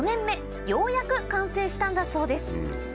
ようやく完成したんだそうです。